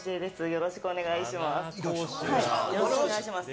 よろしくお願いします。